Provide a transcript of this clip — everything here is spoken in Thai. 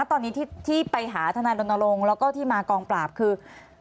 ตอนนี้ที่ไปหาทนายรณรงค์แล้วก็ที่มากองปราบคือ